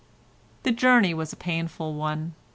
The journey was a painful one.